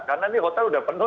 karena ini hotel sudah penuh